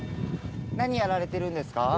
何やられてるんですか？